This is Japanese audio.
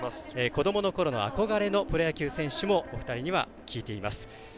子どもの頃の憧れのプロ野球選手もお二人には聞いています。